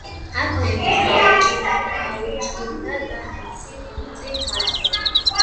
აქლემს გაუჭირდა და ნემსის ყუნწში გაძვრაო,